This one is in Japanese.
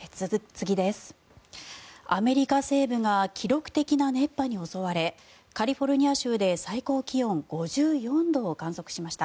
アメリカ西部が記録的な熱波に襲われカリフォルニア州で最高気温５４度を観測しました。